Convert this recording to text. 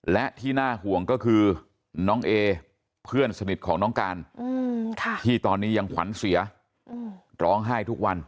และที่น่าห่วงก็คือน้องเอเพื่อนสนิทของน้องการที่ตอนนี้ยังขวัญเสียร้องไห้ทุกวัน